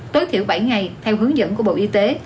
tối thiểu bảy ngày theo hướng dẫn của bộ y tế